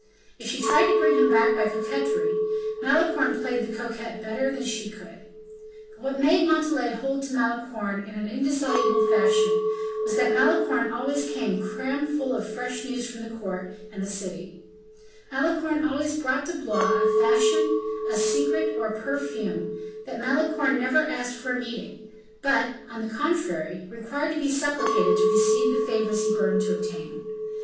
If she tried to bring him back by coquetry, Malicorne played the coquette better than she could. But what made Montalais hold to Malicorne in an indissoluble fashion, was that Malicorne always came cram full of fresh news from the court and the city; Malicorne always brought to Blois a fashion, a secret, or a perfume; that Malicorne never asked for a meeting, but, on the contrary, required to be supplicated to receive the favors he burned to obtain.